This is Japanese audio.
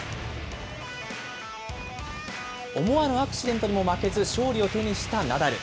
思わぬアクシデントにも負けず、勝利を手にしたナダル。